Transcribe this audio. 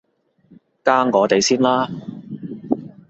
加我哋先啦